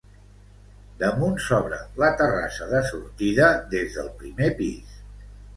Damunt s'obre la terrassa de sortida des del primer pis.